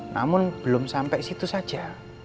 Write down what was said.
namun belum sampai situ saja